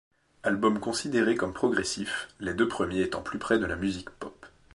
Album considéré comme progressif, les deux premiers étant plus près de la musique pop.